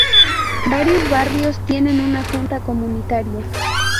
Varios barrios tienen una junta comunitaria.